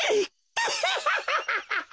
アハハハハハハ！